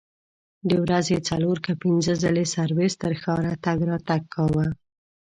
د ورځې څلور که پنځه ځلې سرویس تر ښاره تګ راتګ کاوه.